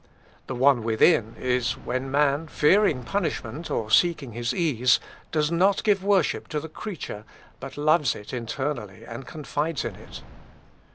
"The one within is, when man, fearing punishment or seeking his ease, does not give worship to the creature, but loves it internally, and confides in it.